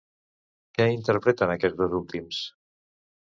Què interpreten aquests dos últims?